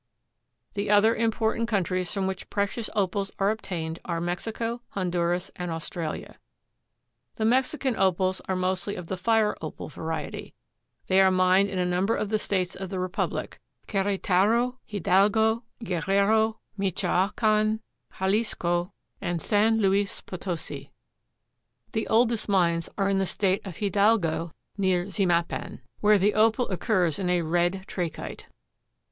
The other important countries from which precious Opals are obtained are Mexico, Honduras and Australia. The Mexican Opals are mostly of the fire Opal variety. They are mined in a number of the States of the Republic—Queretaro, Hidalgo, Guerrero, Michoacan, Jalisco and San Luis Potosi. The oldest mines are in the State of Hidalgo, near Zimapan, where the Opal occurs in a red trachyte.